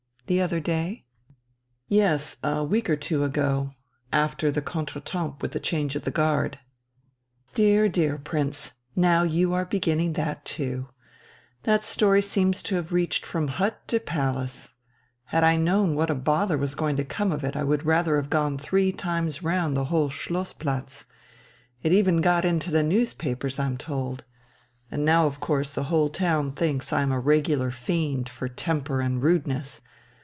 "The other day?" "Yes, a week or two ago. After the contretemps with the change of guard." "Dear, dear, Prince, now you are beginning that too. That story seems to have reached from hut to palace. Had I known what a bother was going to come of it, I would rather have gone three times round the whole Schlossplatz. It even got into the newspapers, I'm told. And now of course the whole town thinks I am a regular fiend for temper and rudeness.